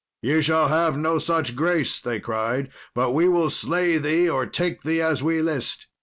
"Ye shall have no such grace," they cried; "but we will slay thee, or take thee as we list."